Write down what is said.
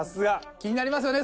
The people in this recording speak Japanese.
気になりますよね？